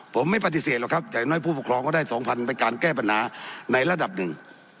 ผมไม่ปฏิเสธหรอกครับอย่างน้อยผู้ปกครองก็ได้๒๐๐๐เป็นการแก้ปัญหาในระดับหนึ่ง